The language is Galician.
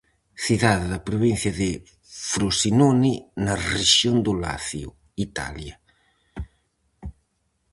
Cidade da provincia de Frosinone, na rexión do Lacio, Italia.